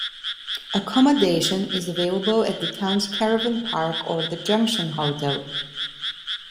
Accommodation is available at the town's caravan park or the Junction Hotel.